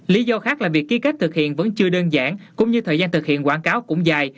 lý do khác là việc ký kết thực hiện vẫn chưa đơn giản cũng như thời gian thực hiện quảng cáo cũng dài